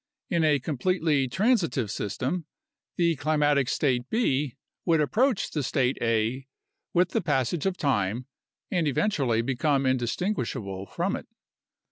In a completely transitive system, the climatic state B would approach the state A with the passage of time and eventually become indistinguishable from it.